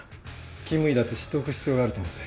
勤務医だって知っておく必要があると思って。